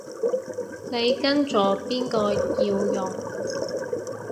你跟咗邊個要用